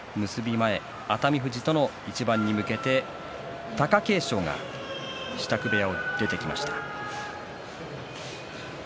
前熱海富士との一番に向けて貴景勝が支度部屋を出てきました。